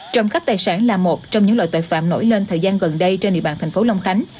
trộm cắp tài sản là một trong những loại tội phạm nổi lên thời gian gần đây trên địa bàn thành phố long khánh